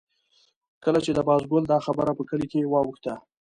کله چې د بازګل دا خبره په کلي کې واوښته.